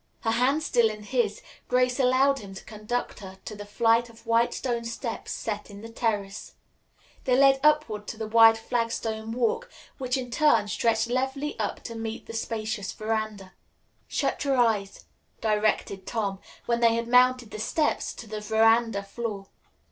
Her hand still in his, Grace allowed him to conduct her to the flight of white stone steps set in the terrace. They led upward to the wide flagstone walk which in turn stretched levelly up to meet the spacious veranda. "Shut your eyes," directed Tom, when they had mounted the steps to the veranda floor.